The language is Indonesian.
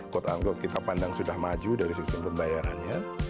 quote unquote kita pandang sudah maju dari sistem pembayarannya